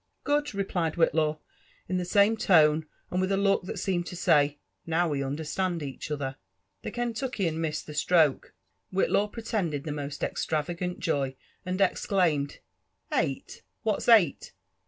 ''Good !'* replied Whitiaw, in the. same tone, and with a look that seemed to say now we understand each other 1" The Kentuckian missed the stroke. Whitiaw pretepded (he most extravagant joy, and exclaimed '' Eight! what's eight?